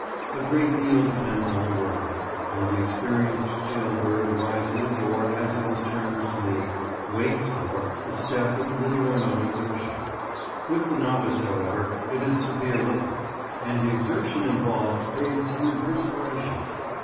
A great deal depends on the worker, and the experienced jail bird rises—or, as it was termed to me, "waits for"—the step with little or no exertion. With the novice, however, it is severe labour, and the exertion involved bathes him in perspiration.